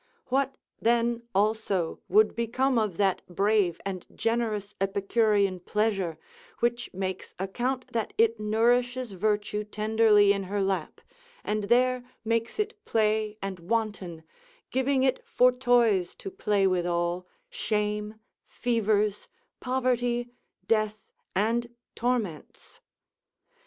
What then, also, would become of that brave and generous Epicurean pleasure, which makes account that it nourishes virtue tenderly in her lap, and there makes it play and wanton, giving it for toys to play withal, shame, fevers, poverty, death, and torments?